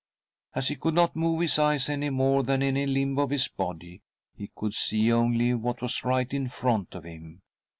As he could not move his eyes any more than any limb of his body, he could see only what was right in front of him.